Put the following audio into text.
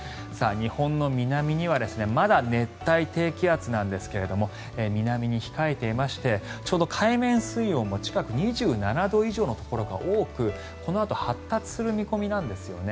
日本の南にはまだ熱帯低気圧なんですが南に控えていましてちょうど海面水温も近く２７度以上のところが多くこのあと発達する見込みなんですよね。